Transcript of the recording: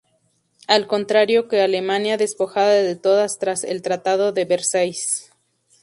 Al contrario que Alemania, despojada de todas tras el Tratado de Versalles.